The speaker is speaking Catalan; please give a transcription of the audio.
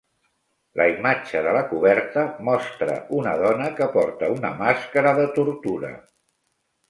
La imatge de la coberta mostra una dona que porta una màscara de tortura.